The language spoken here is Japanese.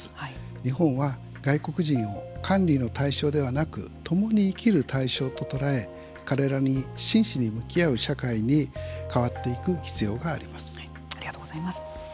日本は外国人を管理の対象ではなく共に生きる対象ととらえ彼らに真摯に向き合う社会にありがとうございます。